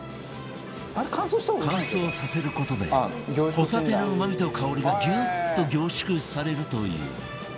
乾燥させる事でホタテのうまみと香りがギュッと凝縮されるという